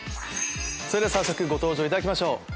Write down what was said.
それでは早速ご登場いただきましょう。